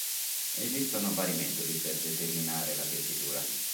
Esistono vari metodi per determinare la tessitura.